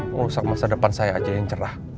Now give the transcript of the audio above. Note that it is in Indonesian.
merusak masa depan saya aja yang cerah